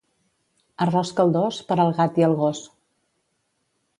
Arròs caldós, per al gat i el gos.